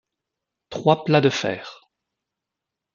trois plats de fer.